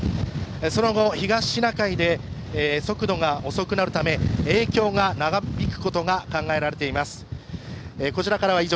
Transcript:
その後、東シナ海で速度が遅くなるため影響が長引くことが考えられています。